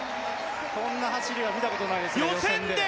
こんな走りは見たことないです、予選で。